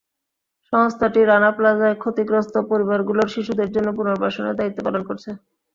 সংস্থাটি রানা প্লাজায় ক্ষতিগ্রস্ত পরিবারগুলোর শিশুদের জন্য পুনর্বাসনের দায়িত্ব পালন করছে।